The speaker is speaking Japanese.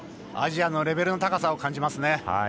アジアのレベルの高さを感じますね。